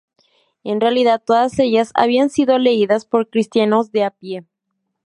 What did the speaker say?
En realidad, todas ellas habían sido leídas por cristianos de a pie.